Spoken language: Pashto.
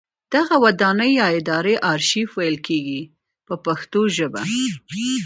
دغه ودانۍ یا ادارې ارشیف ویل کیږي په پښتو ژبه.